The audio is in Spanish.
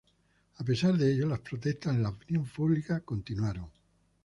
A pesar de ello, las protestas en la opinión pública continuaron.